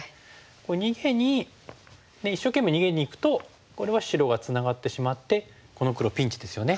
逃げに一生懸命逃げにいくとこれは白がツナがってしまってこの黒ピンチですよね。